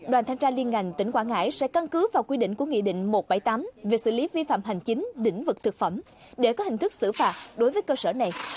đoàn thanh tra liên ngành tỉnh quảng ngãi sẽ căn cứ vào quy định của nghị định một trăm bảy mươi tám về xử lý vi phạm hành chính lĩnh vực thực phẩm để có hình thức xử phạt đối với cơ sở này